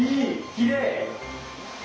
きれい！